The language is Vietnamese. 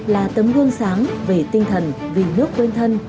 là tấm gương sáng về tinh thần vì nước quên thân